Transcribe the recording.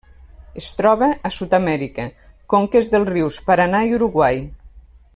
Es troba a Sud-amèrica: conques dels rius Paranà i Uruguai.